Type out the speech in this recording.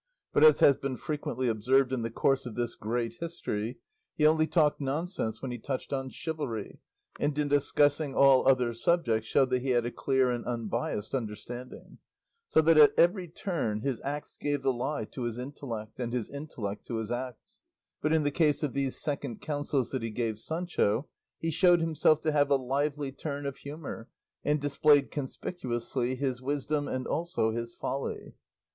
But, as has been frequently observed in the course of this great history, he only talked nonsense when he touched on chivalry, and in discussing all other subjects showed that he had a clear and unbiassed understanding; so that at every turn his acts gave the lie to his intellect, and his intellect to his acts; but in the case of these second counsels that he gave Sancho, he showed himself to have a lively turn of humour, and displayed conspicuously his wisdom, and also his folly.